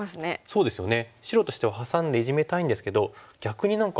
そうですよね。